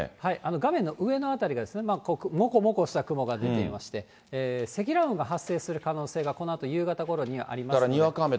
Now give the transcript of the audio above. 画面の上の辺りですね、もこもこした雲が出ていまして、積乱雲が発生する可能性がこのあと夕方ごろにありますので。